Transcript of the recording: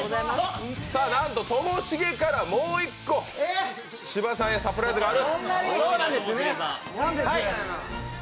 なんと、ともしげからもう１個芝さんへサプライズがある。